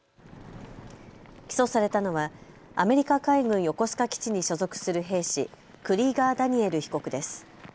起訴されたのはアメリカ海軍横須賀基地に所属する兵士、クリーガー・ダニエル被告です。